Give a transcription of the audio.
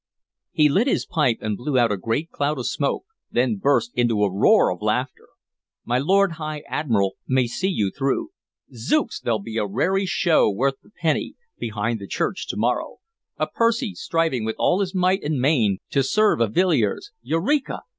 He lit his pipe and blew out a great cloud of smoke, then burst into a roar of laughter. "My Lord High Admiral may see you through. Zooks! there'll be a raree show worth the penny, behind the church to morrow, a Percy striving with all his might and main to serve a Villiers! Eureka!